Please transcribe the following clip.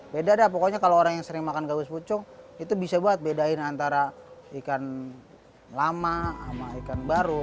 beda dah pokoknya kalau orang yang sering makan gabus pucung itu bisa buat bedain antara ikan lama sama ikan baru